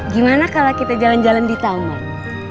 gimana kalau kita jalan jalan di taman